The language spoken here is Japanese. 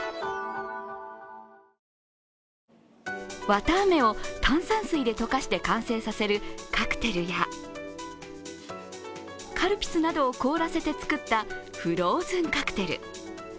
綿あめを炭酸水で溶かして完成させるカクテルやカルピスなどを凍らせて作ったフローズンカクテル。